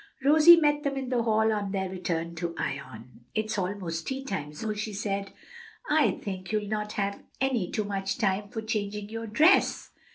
Rosie met them in the hall on their return to Ion. "It's most tea time, Zoe," she said; "I think you'll not have any too much time for changing your dress."